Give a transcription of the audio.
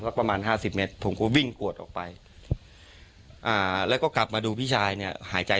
ประมาณห้าสิบเมตรผมก็วิ่งกวดออกไปอ่าแล้วก็กลับมาดูพี่ชายเนี่ยหายใจ